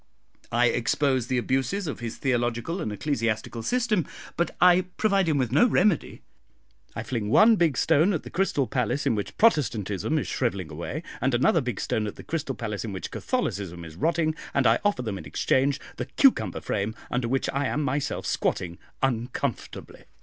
I expose the abuses of his theological and ecclesiastical system, but I provide him with no remedy. I fling one big stone at the crystal palace in which Protestantism is shrivelling away, and another big stone at the crystal palace in which Catholicism is rotting, and I offer them in exchange the cucumber frame under which I am myself squatting uncomfortably.